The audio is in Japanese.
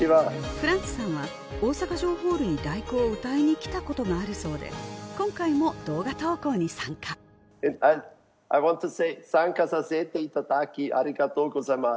フランツさんは大阪城ホールに「第九」を歌いに来たことがあるそうで今回も動画投稿に参加Ｉｗａｎｔｔｏｓａｙ．参加させていただきありがとうございます。